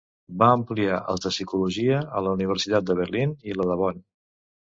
Va ampliar els de Psicologia a la Universitat de Berlín i la de Bonn.